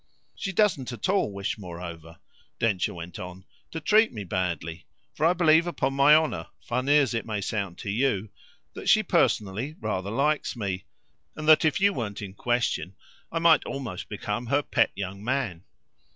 She doesn't at all wish moreover," Densher went on, "to treat me badly, for I believe, upon my honour, odd as it may sound to you, that she personally rather likes me and that if you weren't in question I might almost become her pet young man.